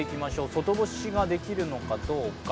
外干しができるのかどうか。